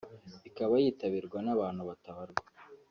ikaba yitabirwa n’abantu batabarwa